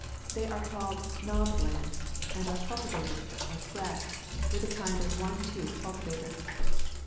They are called "knob land" and are cultivated, or scratched, with a kind of one tooth cultivator.